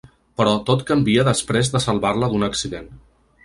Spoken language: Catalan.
Però tot canvia després de salvar-la d’un accident.